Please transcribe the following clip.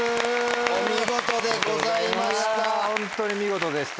お見事でございました。